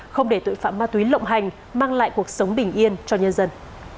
không để tội phạm ma túy lộng hành mang lại cuộc sống bình yên cho nhân dân